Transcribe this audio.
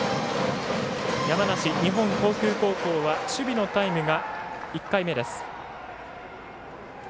山梨・日本航空高校は守備のタイムが１回目です。